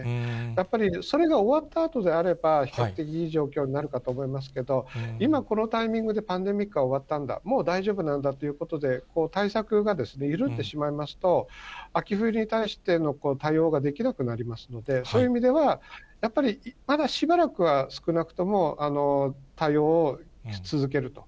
やっぱりそれが終わったあとであれば、比較的いい状況になるかと思いますけれども、今、このタイミングでパンデミックは終わったんだ、もう大丈夫なんだっていうことで対策が緩んでしまいますと、秋冬に対しての対応ができなくなりますので、そういう意味では、やっぱり、まだしばらくは少なくとも対応をし続けると。